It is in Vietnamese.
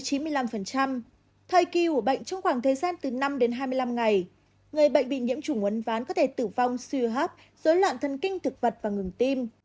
thời kỳ của bệnh trong khoảng thời gian từ năm đến hai mươi năm ngày người bệnh bị nhiễm trùng quân phán có thể tử vong sưu hấp dối loạn thần kinh thực vật và ngừng tim